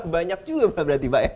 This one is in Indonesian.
banyak juga pak berarti pak ya